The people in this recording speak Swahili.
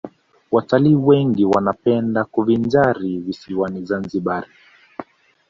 watalii wengi wanapenda kujivinjari visiwani zanzibar